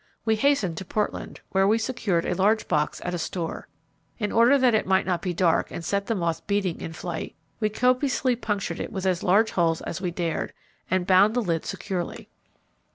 We hastened to Portland, where we secured a large box at a store. In order that it might not be dark and set the moth beating in flight, we copiously punctured it with as large holes as we dared, and bound the lid securely.